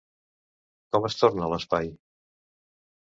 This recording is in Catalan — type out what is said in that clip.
Com es torna l'espai?